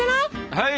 はい。